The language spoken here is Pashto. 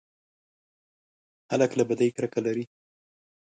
هلک له بدۍ کرکه لري.